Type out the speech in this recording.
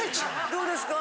どうですか？